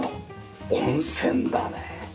温泉だね。